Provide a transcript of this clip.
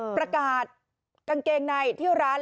ประกาศกางเกงในที่ร้าน